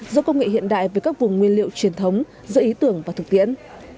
giữa công nghệ hiện đại với các vùng nguyên liệu truyền thống giữa ý tưởng và thực tiễn